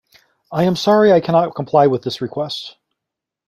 I am sorry I cannot comply with this request.